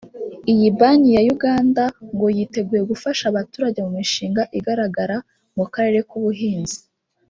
Iyi banki ya Unguka ngo yiteguye gufasha abaturage mu mishinga igaragara mu karere nk’ubuhinzi